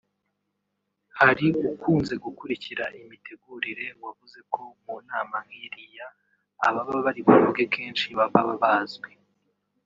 Hari ukunze gukurikira imitegurire wavuze ko mu nama nk’iriya ababa bari buvuge kenshi baba bazwi